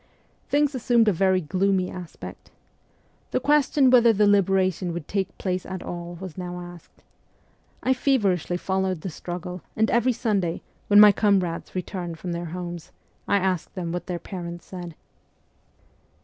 Things assumed a very gloomy aspect. The ques tion whether the liberation would take place at all was now asked. I feverishly followed the struggle, and every Sunday, when my comrades returned from their homes, I asked them what their parents said.